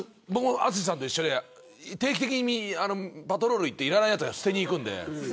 淳さんと一緒で定期的にパトロールしていらないやつは捨てるんで。